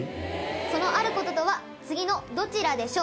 そのある事とは次のどちらでしょう？